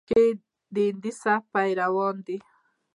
کې د هندي سبک پېروان دي،